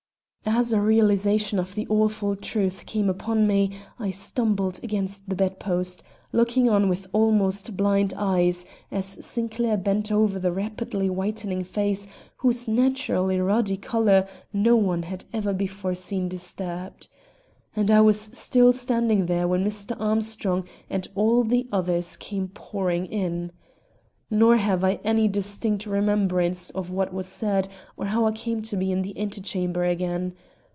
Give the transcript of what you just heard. As a realization of the awful truth came upon me, I stumbled against the bedpost, looking on with almost blind eyes as Sinclair bent over the rapidly whitening face, whose naturally ruddy color no one had ever before seen disturbed. And I was still standing there when Mr. Armstrong and all the others came pouring in. Nor have I any distinct remembrance of what was said or how I came to be in the ante chamber again.